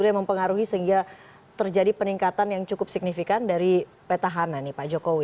yang mempengaruhi sehingga terjadi peningkatan yang cukup signifikan dari petahana nih pak jokowi